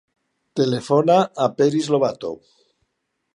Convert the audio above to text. Telefona al Peris Lobato.